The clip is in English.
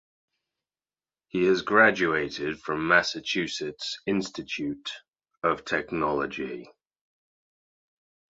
He has graduated from Massachusetts Institute of Technology.